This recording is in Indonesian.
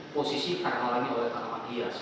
posisi terhalangi oleh tanaman hias